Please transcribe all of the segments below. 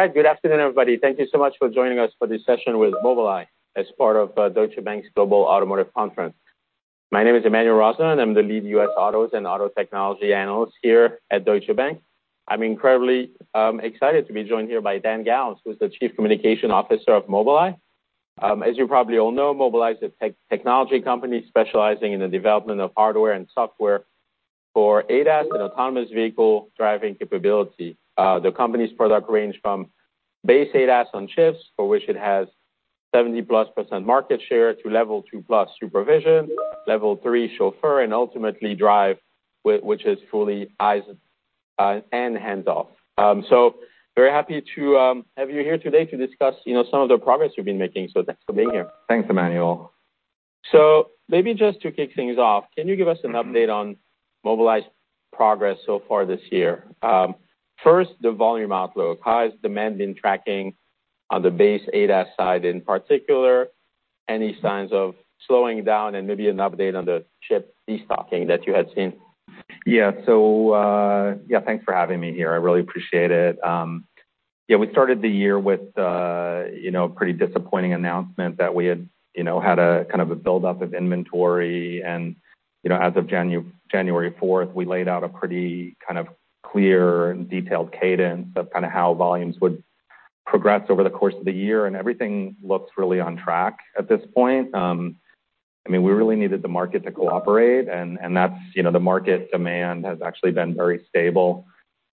All right. Good afternoon, everybody. Thank you so much for joining us for this session with Mobileye, as part of Deutsche Bank's Global Automotive Conference. My name is Emmanuel Rosner, and I'm the lead US autos and auto technology analyst here at Deutsche Bank. I'm incredibly excited to be joined here by Dan Galves, who's the Chief Communications Officer of Mobileye. As you probably all know, Mobileye is a technology company specializing in the development of hardware and software for ADAS and autonomous vehicle driving capability. The company's product range from base ADAS on chips, for which it has 70%+ market share, to Level 2+ SuperVision, Level 3 Chauffeur, and ultimately, Drive, which is fully eyes and hands off. So very happy to have you here today to discuss, you know, some of the progress you've been making. Thanks for being here. Thanks, Emmanuel. So maybe just to kick things off, can you give us an update on Mobileye's progress so far this year? First, the volume outlook. How has demand been tracking on the base ADAS side in particular? Any signs of slowing down, and maybe an update on the chip destocking that you had seen? Yeah. So, yeah, thanks for having me here. I really appreciate it. Yeah, we started the year with, you know, a pretty disappointing announcement that we had, you know, had a kind of a buildup of inventory. And, you know, as of January 4th, we laid out a pretty kind of clear and detailed cadence of kind of how volumes would progress over the course of the year, and everything looked really on track at this point. I mean, we really needed the market to cooperate, and that's, you know, the market demand has actually been very stable,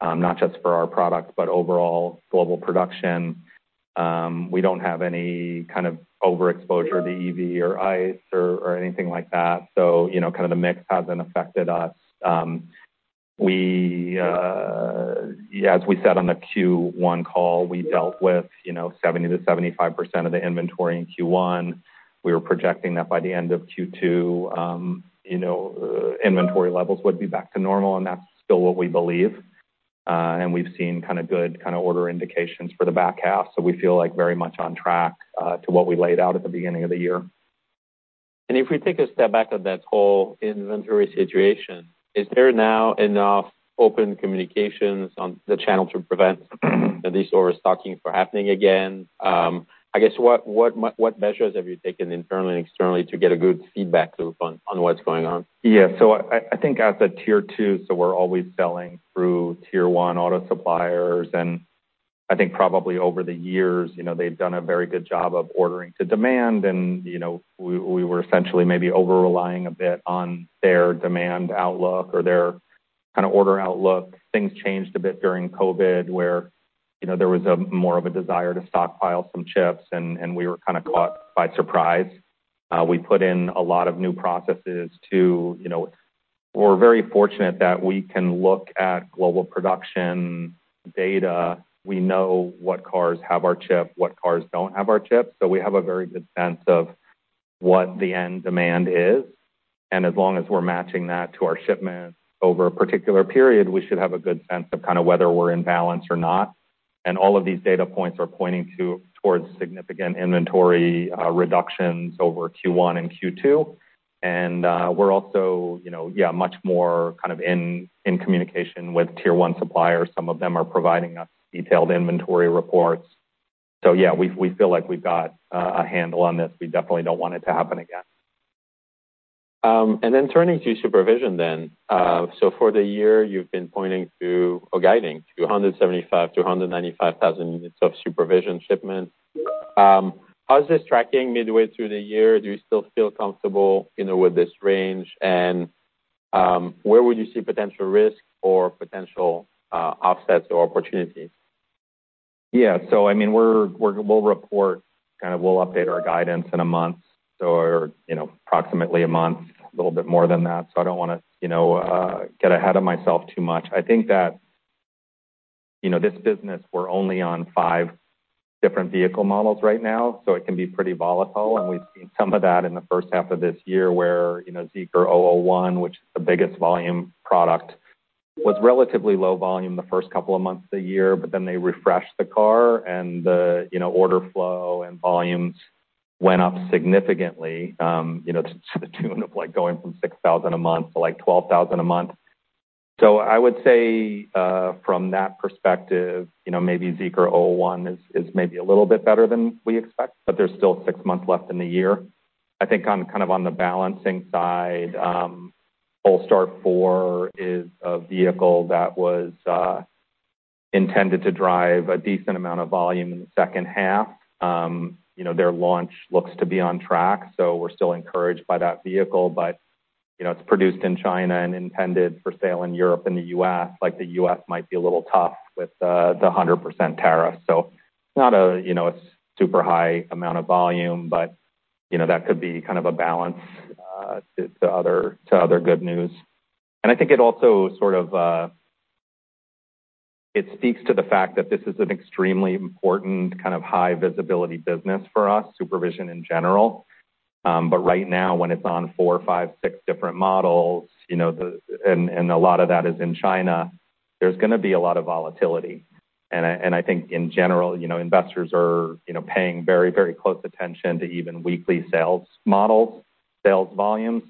not just for our products, but overall global production. We don't have any kind of overexposure to EV or ICE or anything like that, so, you know, kind of the mix hasn't affected us. Yeah, as we said on the Q1 call, we dealt with, you know, 70%-75% of the inventory in Q1. We were projecting that by the end of Q2, you know, inventory levels would be back to normal, and that's still what we believe. And we've seen kind of good kind of order indications for the back half, so we feel like very much on track, to what we laid out at the beginning of the year. And if we take a step back on that whole inventory situation, is there now enough open communications on the channel to prevent the destock or stocking from happening again? I guess, what measures have you taken internally and externally to get a good feedback loop on what's going on? Yeah. So I think as a Tier 2, so we're always selling through Tier 1 auto suppliers, and I think probably over the years, you know, they've done a very good job of ordering to demand. And, you know, we were essentially maybe over-relying a bit on their demand outlook or their kind of order outlook. Things changed a bit during COVID, where, you know, there was a more of a desire to stockpile some chips, and we were kind of caught by surprise. We put in a lot of new processes to... You know, we're very fortunate that we can look at global production data. We know what cars have our chip, what cars don't have our chip, so we have a very good sense of what the end demand is. As long as we're matching that to our shipments over a particular period, we should have a good sense of kind of whether we're in balance or not. All of these data points are pointing towards significant inventory reductions over Q1 and Q2. We're also, you know, yeah, much more kind of in communication with Tier 1 suppliers. Some of them are providing us detailed inventory reports. So yeah, we feel like we've got a handle on this. We definitely don't want it to happen again. And then turning to SuperVision then. So for the year, you've been pointing to, or guiding to 175-195 thousand units of SuperVision shipments. How is this tracking midway through the year? Do you still feel comfortable, you know, with this range? And, where would you see potential risks or potential, offsets or opportunities? Yeah. So I mean, we're – we'll report. Kind of, we'll update our guidance in a month or, you know, approximately a month, a little bit more than that, so I don't wanna, you know, get ahead of myself too much. I think that, you know, this business, we're only on five different vehicle models right now, so it can be pretty volatile. And we've seen some of that in the first half of this year, where, you know, Zeekr 001, which is the biggest volume product, was relatively low volume the first couple of months of the year, but then they refreshed the car, and the, you know, order flow and volumes went up significantly, you know, to the tune of, like, going from 6,000 a month to, like, 12,000 a month. So I would say, from that perspective, you know, maybe Zeekr 001 is, is maybe a little bit better than we expect, but there's still six months left in the year. I think on, kind of on the balancing side, Polestar 4 is a vehicle that was, intended to drive a decent amount of volume in the second half. You know, their launch looks to be on track, so we're still encouraged by that vehicle. But, you know, it's produced in China and intended for sale in Europe and the U.S. Like, the U.S. might be a little tough with, the 100% tariff. So not a, you know, a super high amount of volume, but, you know, that could be kind of a balance, to, to other, to other good news. I think it also sort of it speaks to the fact that this is an extremely important, kind of high-visibility business for us, SuperVision in general. But right now, when it's on 4-6 different models, you know, and a lot of that is in China, there's gonna be a lot of volatility. I think in general, you know, investors are, you know, paying very, very close attention to even weekly sales models, sales volumes.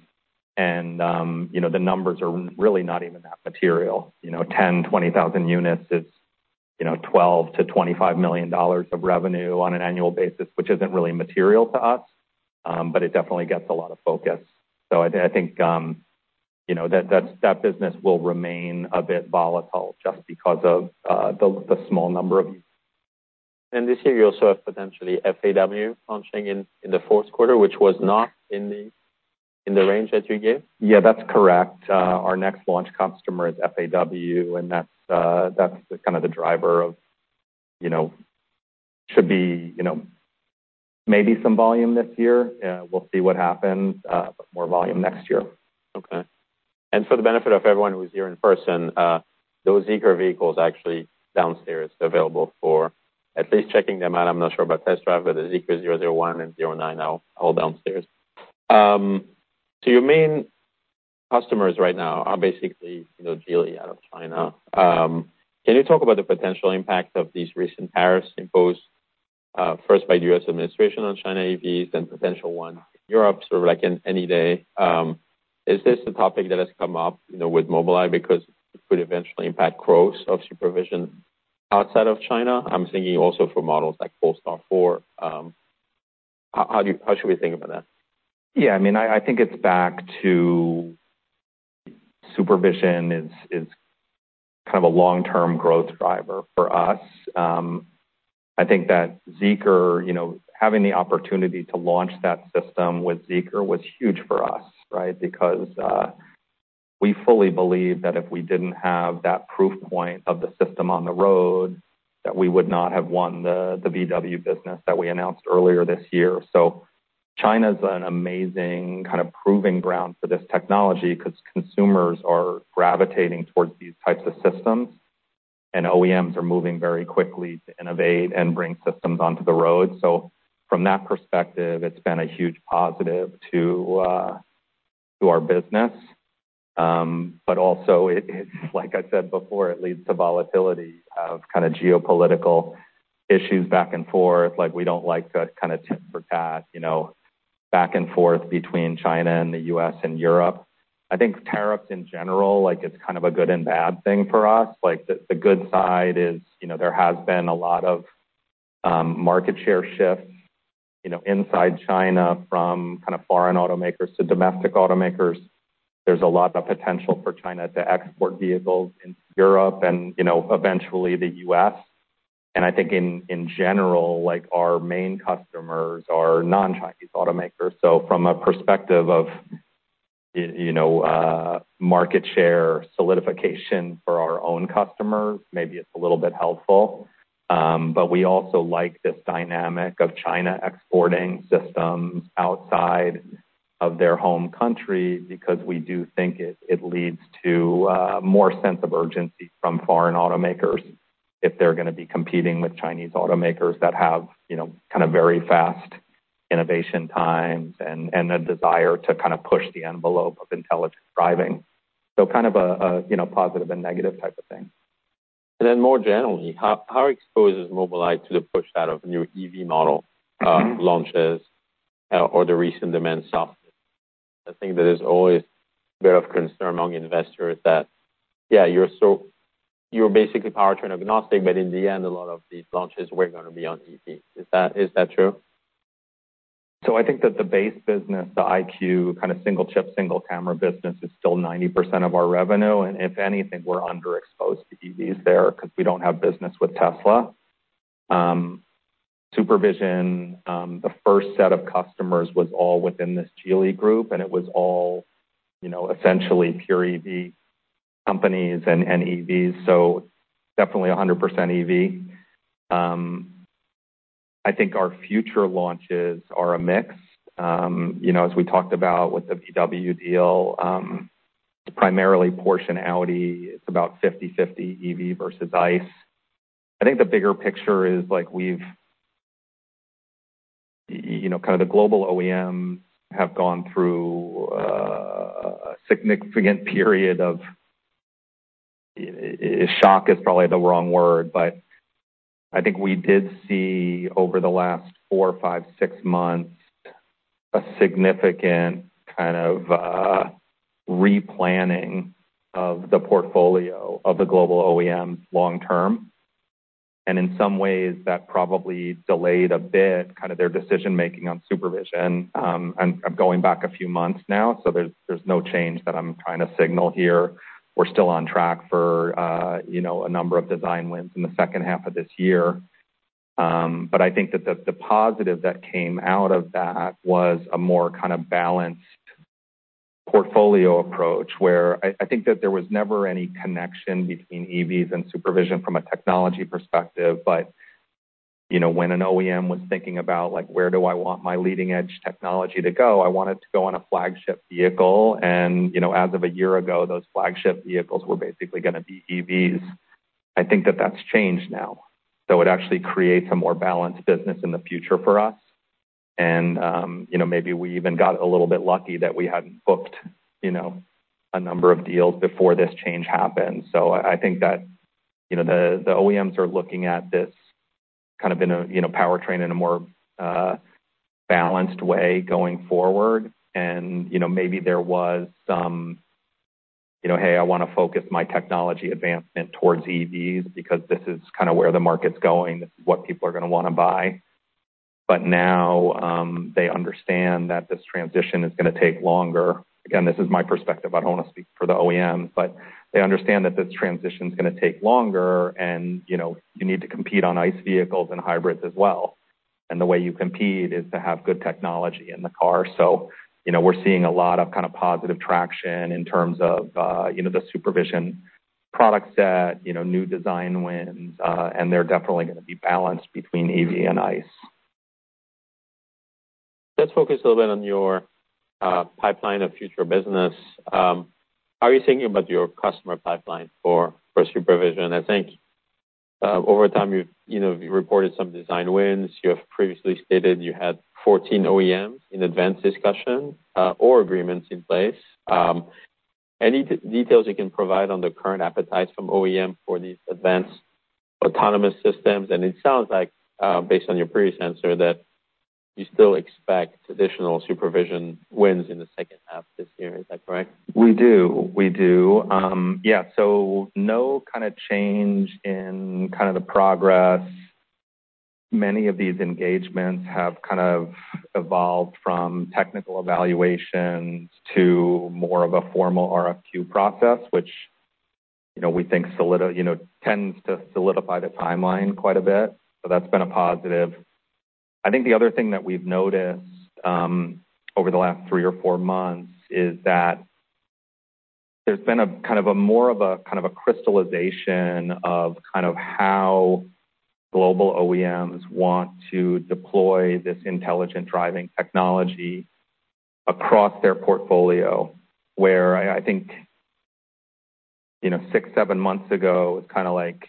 You know, the numbers are really not even that material. You know, 10-20,000 units is, you know, $12 million-$25 million of revenue on an annual basis, which isn't really material to us, but it definitely gets a lot of focus. So I think, you know, that business will remain a bit volatile just because of the small number of- This year, you also have potentially FAW launching in the fourth quarter, which was not in the range that you gave? Yeah, that's correct. Our next launch customer is FAW, and that's the kind of the driver of, you know, should be, you know, maybe some volume this year. We'll see what happens, but more volume next year. Okay. And for the benefit of everyone who is here in person, those Zeekr vehicles are actually downstairs, available for at least checking them out. I'm not sure about test drive, but the Zeekr 001 and 009 are all downstairs. So your main customers right now are basically, you know, Geely out of China. Can you talk about the potential impact of these recent tariffs imposed, first by the U.S. administration on China EVs, and potential ones in Europe, sort of like in any day? Is this a topic that has come up, you know, with Mobileye, because it could eventually impact growth of supervision outside of China? I'm thinking also for models like Polestar 4. How should we think about that? Yeah, I mean, I think it's back to supervision is kind of a long-term growth driver for us. I think that Zeekr, you know, having the opportunity to launch that system with Zeekr was huge for us, right? Because we fully believe that if we didn't have that proof point of the system on the road, that we would not have won the VW business that we announced earlier this year. So China's an amazing kind of proving ground for this technology, 'cause consumers are gravitating towards these types of systems, and OEMs are moving very quickly to innovate and bring systems onto the road. So from that perspective, it's been a huge positive to our business. But also it, like I said before, it leads to volatility of kind of geopolitical issues back and forth. Like, we don't like the kind of tit for tat, you know, back and forth between China and the U.S. and Europe. I think tariffs in general, like, it's kind of a good and bad thing for us. Like, the good side is, you know, there has been a lot of market share shifts, you know, inside China from kind of foreign automakers to domestic automakers. There's a lot of potential for China to export vehicles into Europe and, you know, eventually the U.S. And I think in general, like, our main customers are non-Chinese automakers. So from a perspective of, you know, market share solidification for our own customers, maybe it's a little bit helpful. But we also like this dynamic of China exporting systems outside of their home country, because we do think it leads to more sense of urgency from foreign automakers if they're gonna be competing with Chinese automakers that have, you know, kind of very fast innovation times and a desire to kind of push the envelope of intelligent driving. So kind of a, you know, positive and negative type of thing. And then more generally, how exposed is Mobileye to the push out of new EV model launches, or the recent demand softness? I think that is always a bit of concern among investors that, yeah, you're basically powertrain agnostic, but in the end, a lot of these launches were gonna be on EV. Is that true? So I think that the base business, the EyeQ, kind of single chip, single camera business, is still 90% of our revenue, and if anything, we're underexposed to EVs there, 'cause we don't have business with Tesla. SuperVision, the first set of customers was all within this Geely group, and it was all, you know, essentially pure EV companies and EVs, so definitely a 100% EV. I think our future launches are a mix. You know, as we talked about with the VW deal, primarily Porsche and Audi, it's about 50/50 EV versus ICE. I think the bigger picture is like we've... You know, kind of the global OEM have gone through a significant period of shock is probably the wrong word, but I think we did see, over the last four, five, six months, a significant kind of replanning of the portfolio of the global OEMs long term. And in some ways, that probably delayed a bit kind of their decision-making on SuperVision. I'm going back a few months now, so there's no change that I'm trying to signal here. We're still on track for, you know, a number of design wins in the second half of this year. But I think that the positive that came out of that was a more kind of balanced portfolio approach, where I think that there was never any connection between EVs and supervision from a technology perspective, but, you know, when an OEM was thinking about, like, "Where do I want my leading-edge technology to go? I want it to go on a flagship vehicle." And, you know, as of a year ago, those flagship vehicles were basically gonna be EVs. I think that that's changed now, so it actually creates a more balanced business in the future for us. And, you know, maybe we even got a little bit lucky that we hadn't booked, you know, a number of deals before this change happened. So I think that, you know, the OEMs are looking at this-... kind of been a, you know, powertrain in a more, balanced way going forward. And, you know, maybe there was some, you know, "Hey, I wanna focus my technology advancement towards EVs because this is kind of where the market's going, this is what people are gonna wanna buy." But now, they understand that this transition is gonna take longer. Again, this is my perspective, I don't wanna speak for the OEMs, but they understand that this transition's gonna take longer and, you know, you need to compete on ICE vehicles and hybrids as well. And the way you compete is to have good technology in the car. So, you know, we're seeing a lot of kind of positive traction in terms of, you know, the supervision product set, you know, new design wins, and they're definitely gonna be balanced between EV and ICE. Let's focus a little bit on your pipeline of future business. How are you thinking about your customer pipeline for supervision? I think, over time, you've, you know, you reported some design wins. You have previously stated you had 14 OEMs in advanced discussion or agreements in place. Any details you can provide on the current appetite from OEM for these advanced autonomous systems? And it sounds like, based on your previous answer, that you still expect additional supervision wins in the second half this year. Is that correct? We do. We do. Yeah, so no kind of change in kind of the progress. Many of these engagements have kind of evolved from technical evaluations to more of a formal RFQ process, which, you know, we think you know tends to solidify the timeline quite a bit, so that's been a positive. I think the other thing that we've noticed over the last three or four months is that there's been more of a kind of crystallization of kind of how global OEMs want to deploy this intelligent driving technology across their portfolio, where I think, you know, 6-7 months ago, it was kind of like,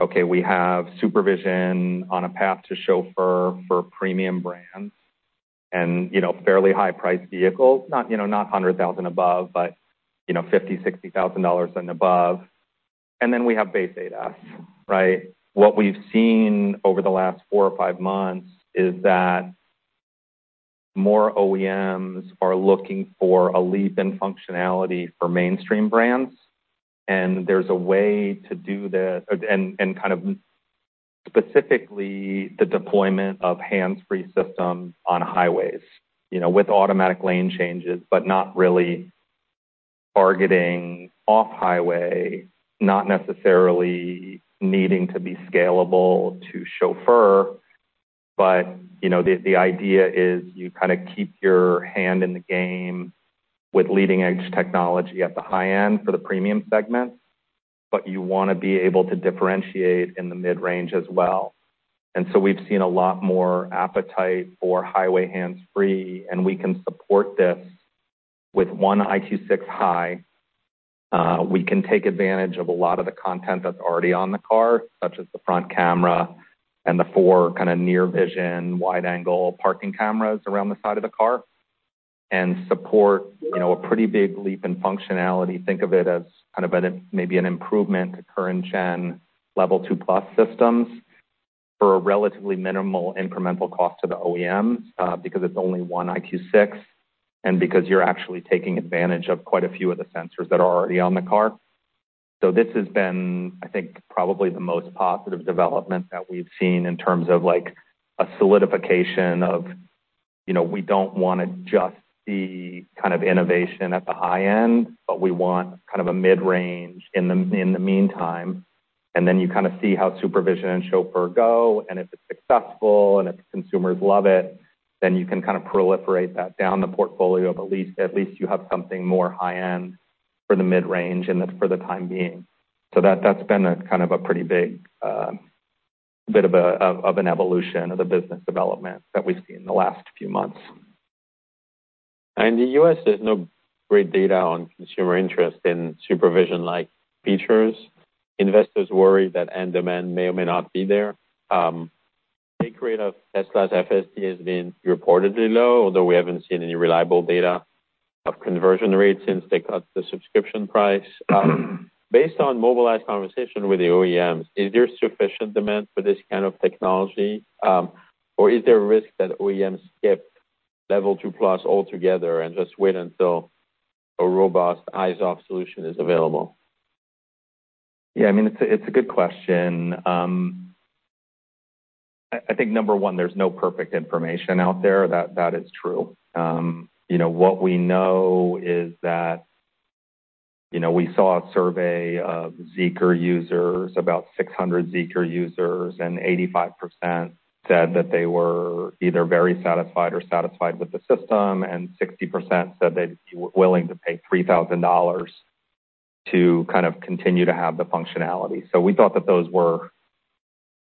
okay, we have SuperVision on a path to Chauffeur for premium brands and, you know, fairly high priced vehicles, not, you know, not $100,000 above, but, you know, $50,000-$60,000 and above, and then we have base ADAS, right? What we've seen over the last four or five months is that more OEMs are looking for a leap in functionality for mainstream brands, and there's a way to do this, and kind of specifically the deployment of hands-free systems on highways, you know, with automatic lane changes, but not really targeting off highway, not necessarily needing to be scalable to chauffeur. But, you know, the idea is you kind of keep your hand in the game with leading-edge technology at the high end for the premium segments, but you wanna be able to differentiate in the mid-range as well. And so we've seen a lot more appetite for highway hands-free, and we can support this with one EyeQ6 High. We can take advantage of a lot of the content that's already on the car, such as the front camera and the four kind of near vision, wide angle parking cameras around the side of the car, and support, you know, a pretty big leap in functionality. Think of it as kind of an, maybe an improvement to current gen Level 2+ systems for a relatively minimal incremental cost to the OEMs, because it's only one EyeQ6, and because you're actually taking advantage of quite a few of the sensors that are already on the car. So this has been, I think, probably the most positive development that we've seen in terms of, like, a solidification of, you know, we don't wanna just see kind of innovation at the high end, but we want kind of a mid-range in the meantime. And then you kind of see how SuperVision and Chauffeur go, and if it's successful and if consumers love it, then you can kind of proliferate that down the portfolio, but at least, at least you have something more high-end for the mid-range and for the time being. So that, that's been a kind of a pretty big bit of an evolution of the business development that we've seen in the last few months. In the U.S., there's no great data on consumer interest in supervision-like features. Investors worry that end demand may or may not be there. Take rate of S-Class FSD has been reportedly low, although we haven't seen any reliable data of conversion rates since they cut the subscription price. Based on Mobileye conversation with the OEMs, is there sufficient demand for this kind of technology? Or is there a risk that OEMs skip Level 2+ altogether and just wait until a robust eyes-off solution is available? Yeah, I mean, it's a good question. I think number one, there's no perfect information out there. That is true. You know, what we know is that, you know, we saw a survey of Zeekr users, about 600 Zeekr users, and 85% said that they were either very satisfied or satisfied with the system, and 60% said they'd be willing to pay $3,000 to kind of continue to have the functionality. So we thought that those were,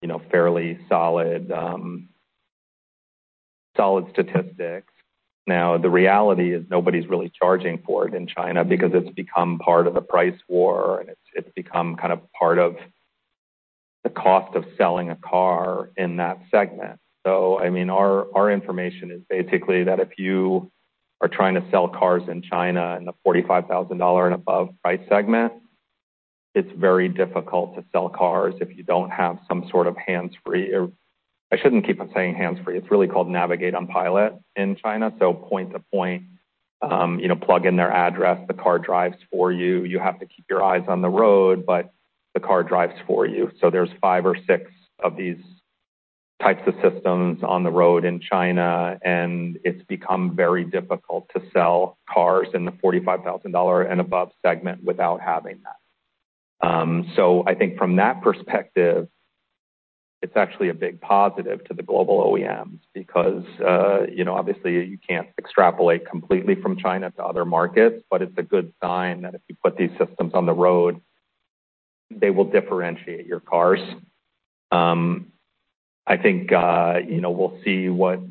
you know, fairly solid, solid statistics. Now, the reality is nobody's really charging for it in China because it's become part of the price war, and it's become kind of part of the cost of selling a car in that segment. So I mean, our information is basically that if you-... are trying to sell cars in China in the $45,000 and above price segment. It's very difficult to sell cars if you don't have some sort of hands-free, or I shouldn't keep on saying hands-free. It's really called Navigate on Pilot in China, so point-to-point, you know, plug in their address, the car drives for you. You have to keep your eyes on the road, but the car drives for you. So there's five or six of these types of systems on the road in China, and it's become very difficult to sell cars in the $45,000 and above segment without having that. So I think from that perspective, it's actually a big positive to the global OEMs because, you know, obviously, you can't extrapolate completely from China to other markets, but it's a good sign that if you put these systems on the road, they will differentiate your cars. I think, you know, we'll see what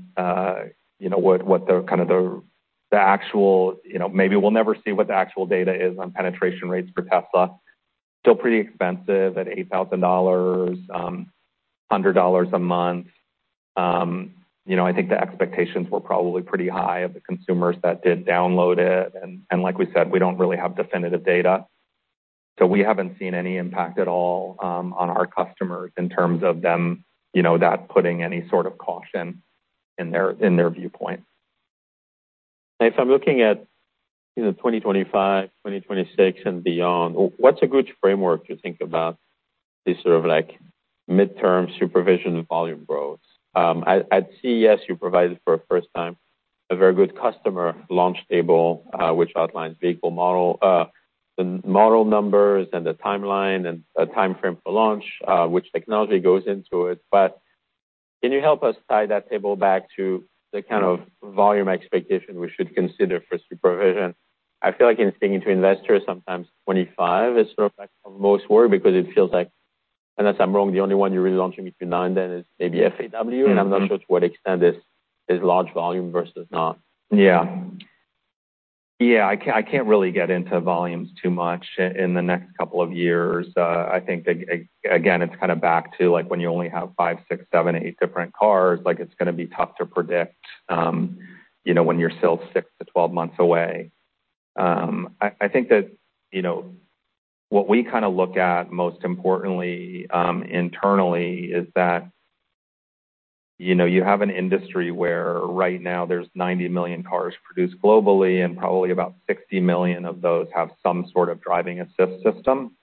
the actual, you know—maybe we'll never see what the actual data is on penetration rates for Tesla. Still pretty expensive at $8,000, $100 a month. You know, I think the expectations were probably pretty high of the consumers that did download it, and like we said, we don't really have definitive data, so we haven't seen any impact at all on our customers in terms of them, you know, that putting any sort of caution in their viewpoint. And if I'm looking at, you know, 2025, 2026 and beyond, what's a good framework to think about these sort of like midterm supervision and volume growth? At CES, you provided for a first time, a very good customer launch table, which outlines vehicle model, the model numbers and the timeline and a timeframe for launch, which technology goes into it. But can you help us tie that table back to the kind of volume expectation we should consider for supervision? I feel like in speaking to investors, sometimes 2025 is sort of like the most worry, because it feels like, unless I'm wrong, the only one you're really launching between now and then is maybe FAW- Mm-hmm... and I'm not sure to what extent is large volume versus not. Yeah. Yeah, I can't really get into volumes too much in the next couple of years. I think again, it's kind of back to like when you only have five, six, seven, eight different cars, like, it's gonna be tough to predict, you know, when you're still 6-12 months away. I think that, you know, what we kind of look at most importantly, internally is that, you know, you have an industry where right now there's 90 million cars produced globally, and probably about 60 million of those have some sort of driving assist system.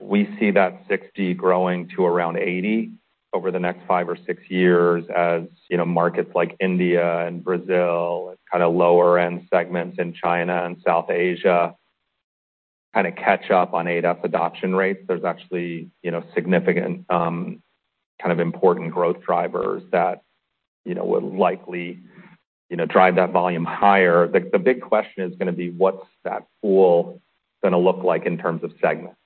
We see that 60 growing to around 80 over the next five or six years, as markets like India and Brazil and kind of lower end segments in China and South Asia, kind of catch up on ADAS adoption rates. There's actually, you know, significant, kind of important growth drivers that, you know, will likely, you know, drive that volume higher. The big question is gonna be: What's that pool gonna look like in terms of segments?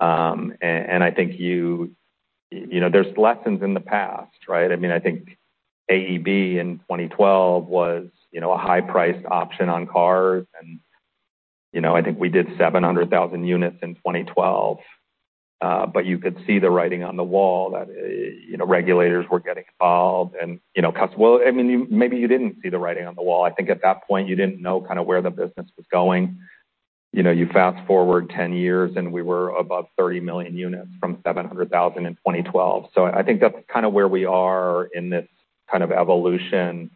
And I think you know, there's lessons in the past, right? I mean, I think AEB in 2012 was, you know, a high-priced option on cars. And, you know, I think we did 700,000 units in 2012. But you could see the writing on the wall that, you know, regulators were getting involved and, you know, cust-- Well, I mean, maybe you didn't see the writing on the wall. I think at that point, you didn't know kind of where the business was going. You know, you fast forward 10 years, and we were above 30 million units from 700,000 in 2012. So I think that's kind of where we are in this kind of evolution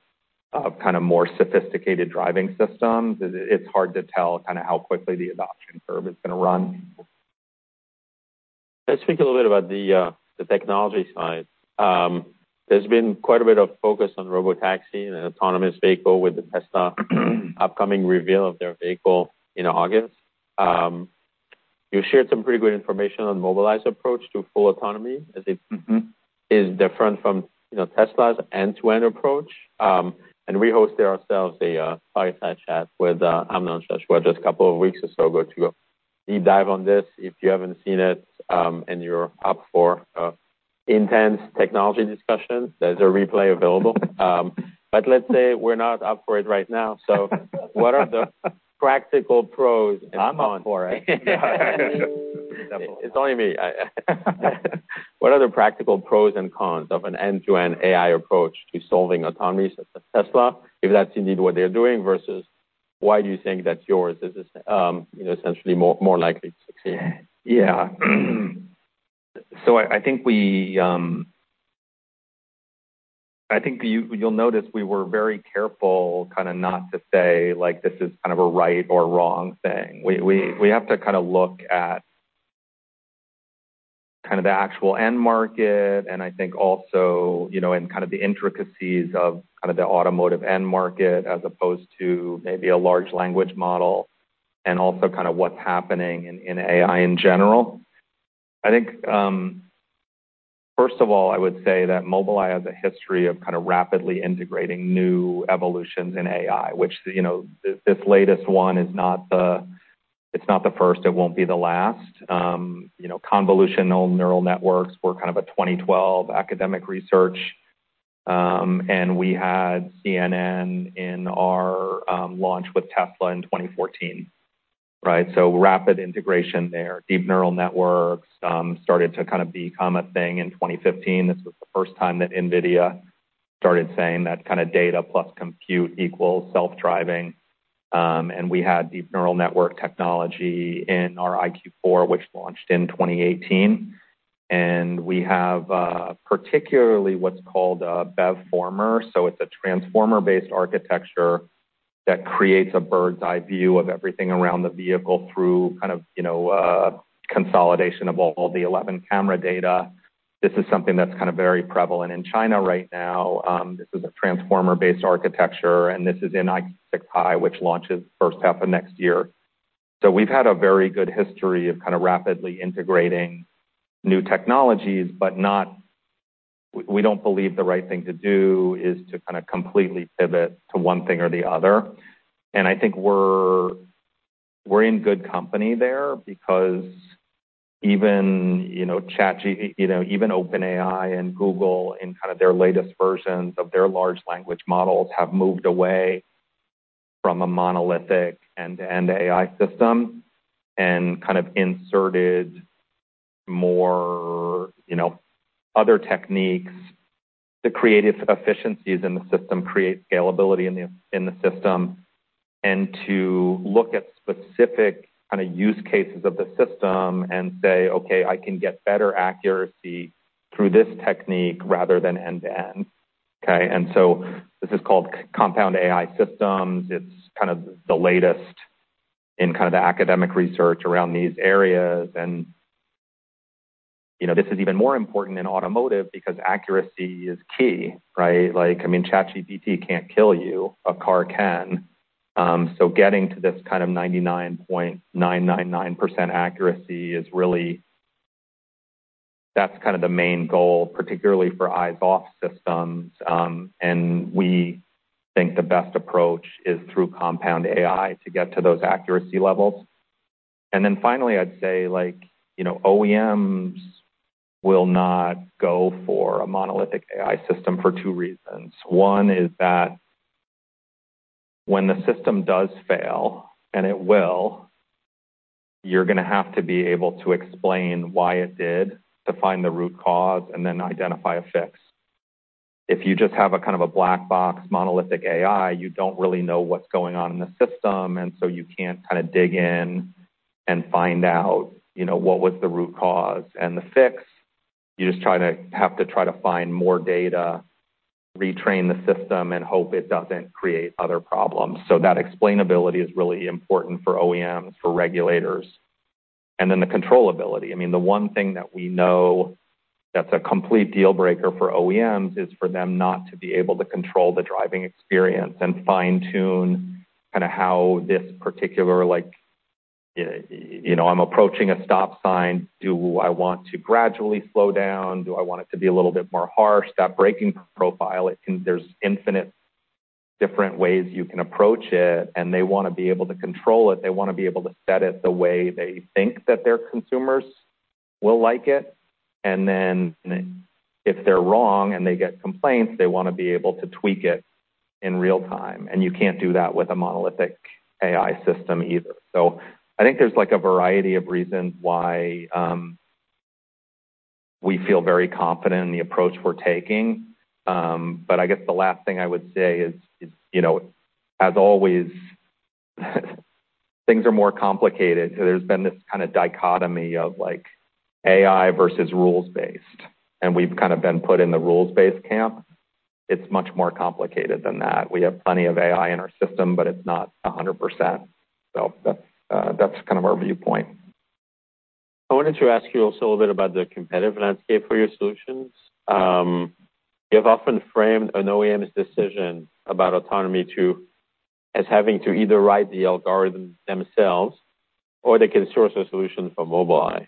of kind of more sophisticated driving systems. It, it's hard to tell kind of how quickly the adoption curve is gonna run. Let's speak a little bit about the technology side. There's been quite a bit of focus on robotaxi and autonomous vehicle with the Tesla- upcoming reveal of their vehicle in August. You shared some pretty good information on Mobileye's approach to full autonomy, as it- Mm-hmm... is different from, you know, Tesla's end-to-end approach. And we hosted ourselves a fireside chat with Amnon Shashua just a couple of weeks or so ago, to go deep dive on this. If you haven't seen it, and you're up for an intense technology discussion, there's a replay available. But let's say we're not up for it right now. So what are the practical pros and cons? I'm up for it. It's only me. What are the practical pros and cons of an end-to-end AI approach to solving autonomy, such as Tesla, if that's indeed what they're doing, versus why do you think that yours is, you know, essentially more, more likely to succeed? Yeah. So I think you'll notice we were very careful kind of not to say, like, this is kind of a right or wrong thing. We have to kind of look at kind of the actual end market, and I think also, you know, in kind of the intricacies of kind of the automotive end market, as opposed to maybe a large language model, and also kind of what's happening in AI in general. I think, first of all, I would say that Mobileye has a history of kind of rapidly integrating new evolutions in AI, which, you know, this latest one is not the first. It won't be the last. You know, convolutional neural networks were kind of a 2012 academic research, and we had CNN in our launch with Tesla in 2014. Right, so rapid integration there, deep neural networks started to kind of become a thing in 2015. This was the first time that NVIDIA started saying that kind of data plus compute equals self-driving. And we had deep neural network technology in our EyeQ4, which launched in 2018. And we have, particularly what's called BEVFormer. So it's a transformer-based architecture that creates a bird's-eye view of everything around the vehicle through kind of, you know, consolidation of all the 11 camera data. This is something that's kind of very prevalent in China right now. This is a transformer-based architecture, and this is in EyeQ6 High, which launches in the first half of next year. So we've had a very good history of kind of rapidly integrating new technologies, but we don't believe the right thing to do is to kinda completely pivot to one thing or the other. And I think we're in good company there because even, you know, ChatGPT, you know, even OpenAI and Google, in kind of their latest versions of their large language models, have moved away from a monolithic end-to-end AI system and kind of inserted more, you know, other techniques to create efficiencies in the system, create scalability in the system, and to look at specific kind of use cases of the system and say: Okay, I can get better accuracy through this technique rather than end-to-end. Okay? This is called Compound AI systems. It's kind of the latest in kind of the academic research around these areas. You know, this is even more important than automotive because accuracy is key, right? Like, I mean, ChatGPT can't kill you. A car can. So getting to this kind of 99.999% accuracy is really. That's kind of the main goal, particularly for eyes-off systems. And we think the best approach is through Compound AI to get to those accuracy levels. And then finally, I'd say, like, you know, OEMs will not go for a Monolithic AI system for two reasons. One is that when the system does fail, and it will, you're gonna have to be able to explain why it did, to find the root cause and then identify a fix. If you just have a kind of a black box, monolithic AI, you don't really know what's going on in the system, and so you can't kind of dig in and find out, you know, what was the root cause and the fix. You just have to try to find more data, retrain the system, and hope it doesn't create other problems. So that explainability is really important for OEMs, for regulators. And then the controllability. I mean, the one thing that we know that's a complete deal breaker for OEMs is for them not to be able to control the driving experience and fine-tune kind of how this particular, like, you know, I'm approaching a stop sign. Do I want to gradually slow down? Do I want it to be a little bit more harsh? That braking profile, it can, there's infinite different ways you can approach it, and they wanna be able to control it. They wanna be able to set it the way they think that their consumers will like it. And then if they're wrong and they get complaints, they wanna be able to tweak it in real time, and you can't do that with a monolithic AI system either. So I think there's, like, a variety of reasons why we feel very confident in the approach we're taking. But I guess the last thing I would say is, you know, as always, things are more complicated. There's been this kind of dichotomy of, like, AI versus rules-based, and we've kind of been put in the rules-based camp. It's much more complicated than that. We have plenty of AI in our system, but it's not 100%. So that, that's kind of our viewpoint. I wanted to ask you also a little bit about the competitive landscape for your solutions. You have often framed an OEM's decision about autonomy to as having to either write the algorithm themselves or they can source a solution from Mobileye.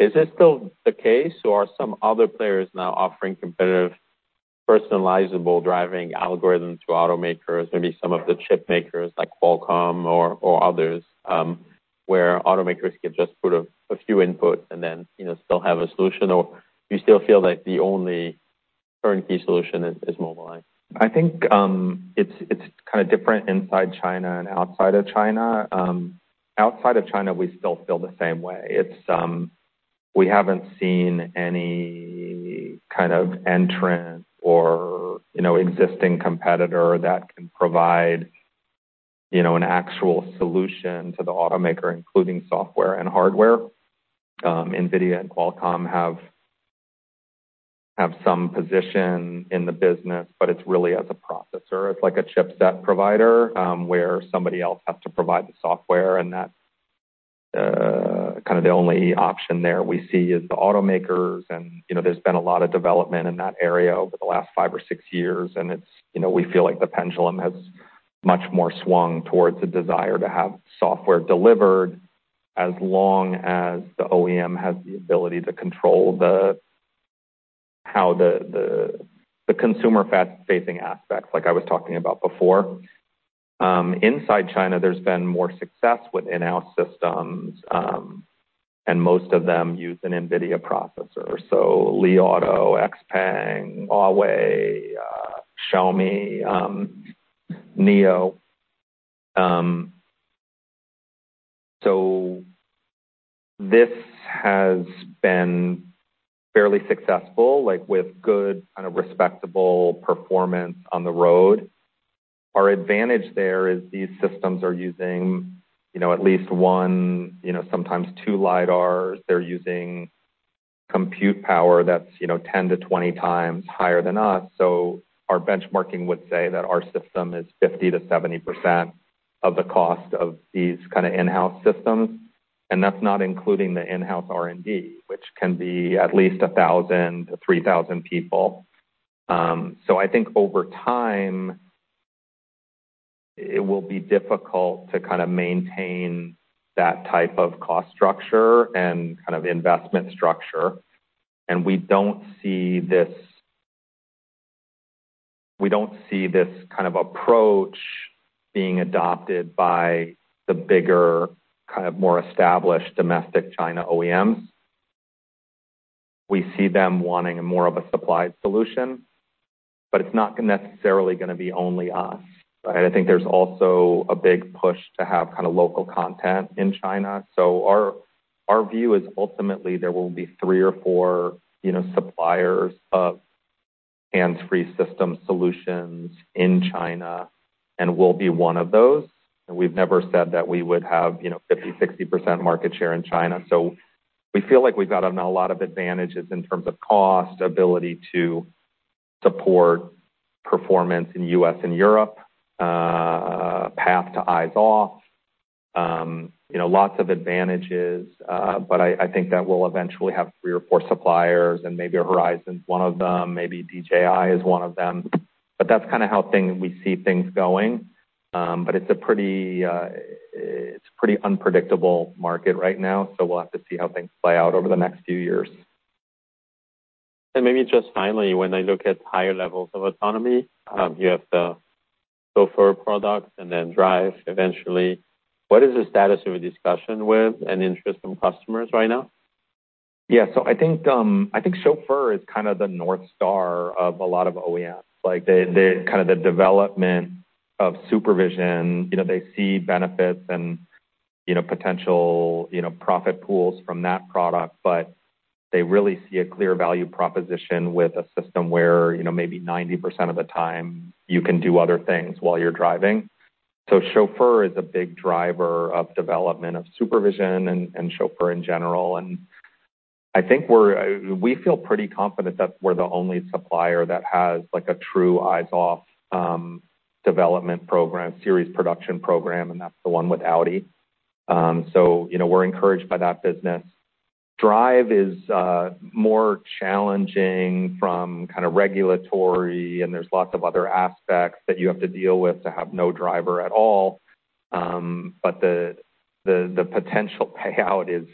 Is this still the case, or are some other players now offering competitive, personalizable driving algorithms to automakers? Maybe some of the chip makers like Qualcomm or others, where automakers can just put a few inputs and then, you know, still have a solution. Or do you still feel like the only turnkey solution is Mobileye? I think, it's kind of different inside China and outside of China. Outside of China, we still feel the same way. It's, we haven't seen any kind of entrant or, you know, existing competitor that can provide, you know, an actual solution to the automaker, including software and hardware. NVIDIA and Qualcomm have some position in the business, but it's really as a processor. It's like a chipset provider, where somebody else has to provide the software, and that, kind of the only option there we see is the automakers. You know, there's been a lot of development in that area over the last five or six years, and it's, you know, we feel like the pendulum has much more swung towards a desire to have software delivered, as long as the OEM has the ability to control how the consumer customer-facing aspects, like I was talking about before. Inside China, there's been more success with in-house systems, and most of them use an NVIDIA processor. So Li Auto, XPeng, Huawei, Xiaomi, NIO. So this has been fairly successful, like with good, kind of respectable performance on the road. Our advantage there is these systems are using, you know, at least one, you know, sometimes two LiDARs. They're using compute power that's, you know, 10x-20x higher than us. So our benchmarking would say that our system is 50%-70% of the cost of these kind of in-house systems, and that's not including the in-house R&D, which can be at least 1,000-3,000 people. So I think over time, it will be difficult to kind of maintain that type of cost structure and kind of investment structure. We don't see this, we don't see this kind of approach being adopted by the bigger, kind of more established domestic China OEMs. We see them wanting a more of a supplied solution, but it's not gonna necessarily gonna be only us, right? I think there's also a big push to have kind of local content in China. So our, our view is ultimately there will be three or four, you know, suppliers of hands-free system solutions in China, and we'll be one of those. We've never said that we would have, you know, 50%, 60% market share in China. So we feel like we've got a lot of advantages in terms of cost, ability to support performance in U.S. and Europe, path to eyes off, you know, lots of advantages. But I think that we'll eventually have three or four suppliers, and maybe Horizon's one of them, maybe DJI is one of them, but that's kind of how we see things going. But it's a pretty unpredictable market right now, so we'll have to see how things play out over the next few years. Maybe just finally, when I look at higher levels of autonomy, you have the Chauffeur products and then Drive eventually. What is the status of a discussion with and interest from customers right now? Yeah. So I think, I think Chauffeur is kind of the North Star of a lot of OEMs. Like, the kind of development of SuperVision. You know, they see benefits and, you know, potential, you know, profit pools from that product, but they really see a clear value proposition with a system where, you know, maybe 90% of the time you can do other things while you're driving. So Chauffeur is a big driver of development of SuperVision and Chauffeur in general. And I think we feel pretty confident that we're the only supplier that has, like, a true eyes-off development program, series production program, and that's the one with Audi. So, you know, we're encouraged by that business. Drive is more challenging from kind of regulatory, and there's lots of other aspects that you have to deal with to have no driver at all. But the potential payout is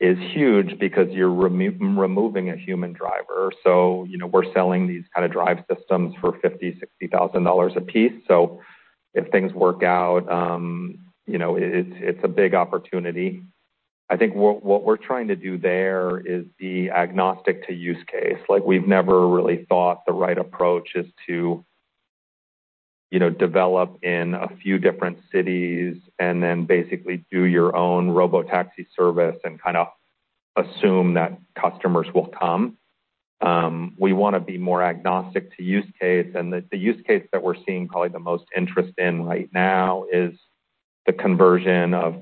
huge because you're removing a human driver. So, you know, we're selling these kind of Drive systems for $50,000-$60,000 apiece. So if things work out, you know, it's a big opportunity. I think what we're trying to do there is be agnostic to use case. Like, we've never really thought the right approach is to, you know, develop in a few different cities and then basically do your own robotaxi service and kind of assume that customers will come. We wanna be more agnostic to use case, and the use case that we're seeing probably the most interest in right now is the conversion of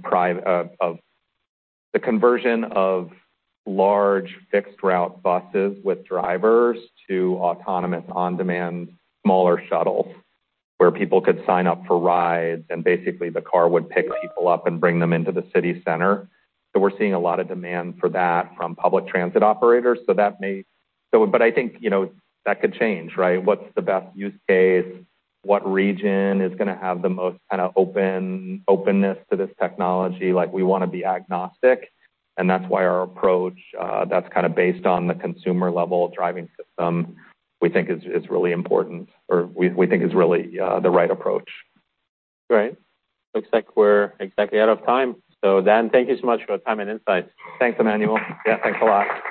large fixed route buses with drivers to autonomous, on-demand, smaller shuttles, where people could sign up for rides, and basically, the car would pick people up and bring them into the city center. So we're seeing a lot of demand for that from public transit operators. So that may... But I think, you know, that could change, right? What's the best use case? What region is gonna have the most kind of open, openness to this technology? Like, we wanna be agnostic, and that's why our approach, that's kind of based on the consumer level driving system, we think is really important, or we think is really the right approach. Great. Looks like we're exactly out of time. So Dan, thank you so much for your time and insights. Thanks, Emmanuel. Yeah, thanks a lot.